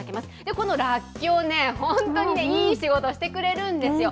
このらっきょうね、本当にいい仕事してくれるんですよ。